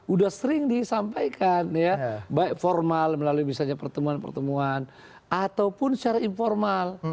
udah sering disampaikan ya baik formal melalui misalnya pertemuan pertemuan ataupun secara informal